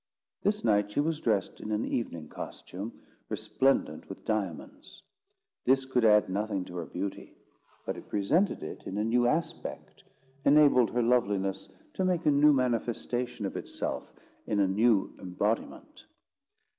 This night she was dressed in an evening costume, resplendent with diamonds. This could add nothing to her beauty, but it presented it in a new aspect; enabled her loveliness to make a new manifestation of itself in a new embodiment.